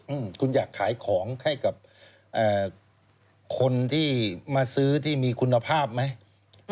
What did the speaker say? อืมคุณอยากขายของให้กับเอ่อคนที่มาซื้อที่มีคุณภาพไหม